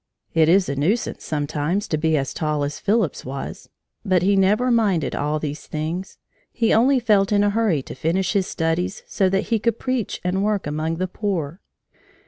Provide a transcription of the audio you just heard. It is a nuisance, sometimes, to be as tall as Phillips was. But he never minded all these things. He only felt in a hurry to finish his studies so that he could preach and work among the poor.